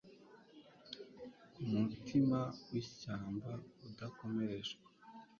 Kumutima wishyamba udakoreshwa